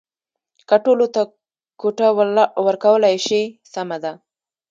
که ټولو ته کوټه ورکولای شي سمه ده.